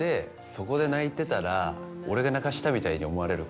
「そこで泣いてたら俺が泣かしたみたいに思われるから」